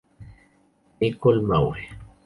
Nicole maure